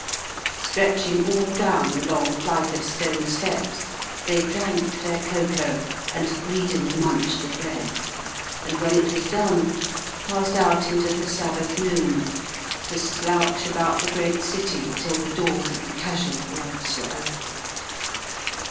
Stretching all down the long flight of stone steps, they drank their cocoa and greedily munched the bread, and when it was done passed out into the sabbath noon, to slouch about the great city till the doors of the casual wards were open.